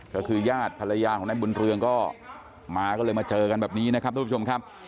ก็คือญาติภรรยาของนายบุญเรืองก็มาก็เลยมาเจอกันแบบนี้นะครับทุกผู้ชมครับ